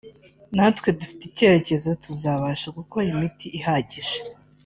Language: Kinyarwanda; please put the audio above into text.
natwe dufite icyizere ko tuzabasha gukora imiti ihagije